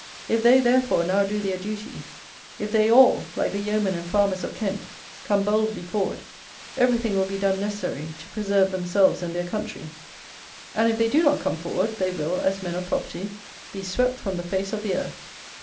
If they, therefore, now do their duty; if they all, like the yeomen and farmers of Kent, come boldly forward, everything will be done necessary to preserve themselves and their country; and if they do not come forward, they will, as men of property, be swept from the face of the earth.